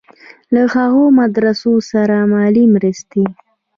له هغو مدرسو سره مالي مرستې.